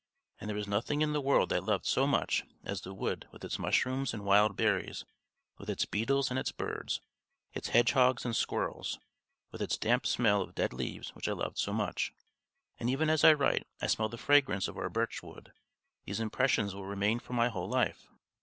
And there was nothing in the world that I loved so much as the wood with its mushrooms and wild berries, with its beetles and its birds, its hedgehogs and squirrels, with its damp smell of dead leaves which I loved so much, and even as I write I smell the fragrance of our birch wood: these impressions will remain for my whole life.